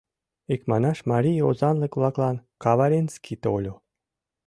Икманаш, марий озанлык-влаклан каваренский тольо.